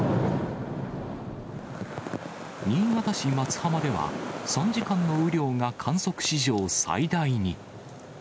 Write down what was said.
新潟市松浜では、３時間の雨量が観測史上最大に。